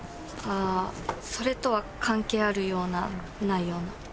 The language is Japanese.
ああそれとは関係あるようなないような。